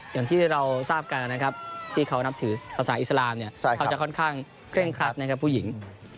อย่างที่เราทราบกันนะครับที่เขานับถือภาษาอิสลามเนี่ยเขาจะค่อนข้างเคร่งครัดนะครับผู้หญิง